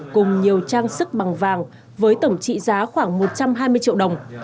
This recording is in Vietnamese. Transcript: cùng nhiều trang sức bằng vàng với tổng trị giá khoảng một trăm hai mươi triệu đồng